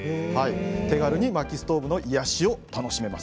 手軽に、まきストーブの癒やしを楽しめます。